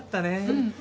うん。